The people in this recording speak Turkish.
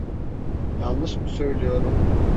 Yanlış mı söylüyorum?